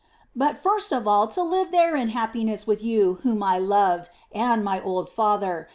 but first of all to live there in happiness with you whom I loved, and my old father.